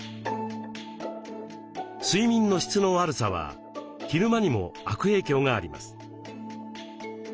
睡眠の質の悪さは昼間にも悪影響があります。